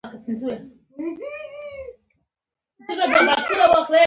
د دولت شاه ولسوالۍ غرنۍ ده